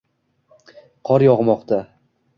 Qor yog'moqda